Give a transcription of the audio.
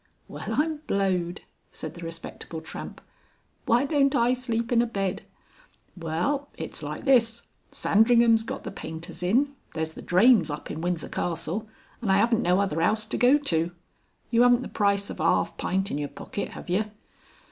"Well I'm blowed!" said the Respectable Tramp. "Why don't I sleep in a bed? Well, it's like this. Sandringham's got the painters in, there's the drains up in Windsor Castle, and I 'aven't no other 'ouse to go to. You 'aven't the price of a arf pint in your pocket, 'ave yer?"